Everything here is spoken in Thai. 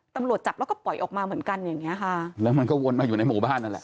ตำรวจจับแล้วก็ปล่อยออกมาเหมือนกันอย่างเงี้ยค่ะแล้วมันก็วนมาอยู่ในหมู่บ้านนั่นแหละ